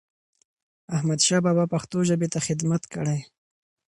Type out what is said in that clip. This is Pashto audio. احمدشاه بابا پښتو ژبې ته خدمت کړی.